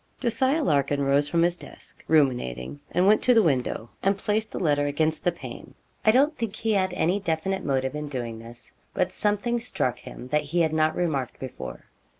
Jos. Larkin rose from his desk, ruminating, and went to the window, and placed the letter against the pane. I don't think he had any definite motive in doing this, but something struck him that he had not remarked before.